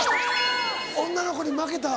女の子に負けた。